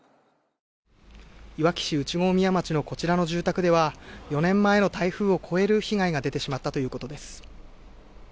いわき市内郷宮町のこちらの住宅では、４年前の台風を超える被害が出てしまったということです。